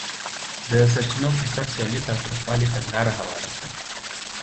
د سرچینو پر سر سیالي تاوتریخوالي ته لار هواره کړه.